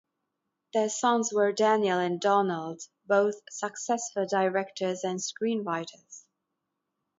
Their sons were Daniel and Donald, both successful directors and screenwriters.